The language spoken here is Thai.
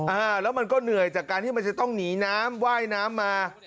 อ่าแล้วมันก็เหนื่อยจากการที่มันจะต้องหนีน้ำว่ายน้ำมา